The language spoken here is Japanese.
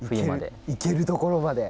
行けるところまで。